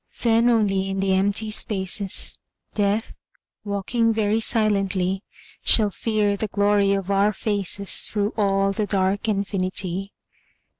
Then only in the empty spaces, Death, walking very silently, Shall fear the glory of our faces Through all the dark infinity.